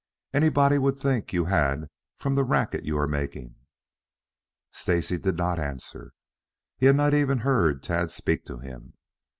"Anybody would think you had from the racket you are making." Stacy did not answer. He had not even heard Tad speak to him.